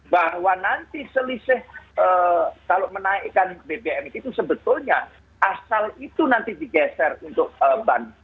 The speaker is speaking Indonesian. bahwa nanti selisih kalau menaikkan bbm itu sebetulnya asal itu nanti digeser untuk ban